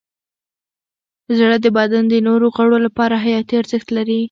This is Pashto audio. زړه د بدن د نورو غړو لپاره حیاتي ارزښت لري.